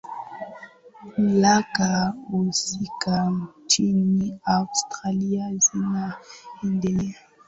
mamlaka husika nchini australia zinaendelea